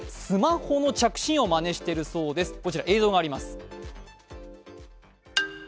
スマホの着信音をまねしているそうです。